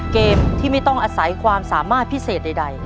เกมที่ไม่ต้องอาศัยความสามารถพิเศษใด